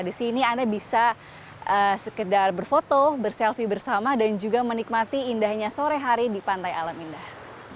di sini anda bisa sekedar berfoto berselfie bersama dan juga menikmati indahnya sore hari di pantai alam indah